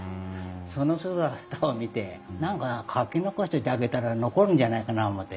その姿を見て何か描き残しといてあげたら残るんじゃないかな思て。